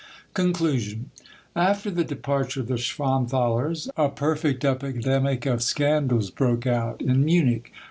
CONCLUSION. After the departure of the Schwanthalers, a perfect epidemic of scandals broke out in Munich.